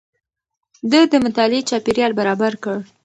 ده د مطالعې چاپېريال برابر کړ.